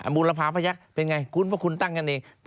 มูลภาพพระยักษ์เป็นไง